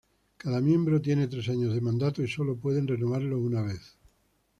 Cada miembro tiene tres años de mandato, y solo pueden renovarlo una vez.